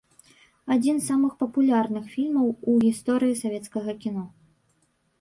Адзін з самых папулярных фільмаў у гісторыі савецкага кіно.